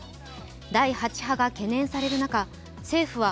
第８波が懸念される中、政府は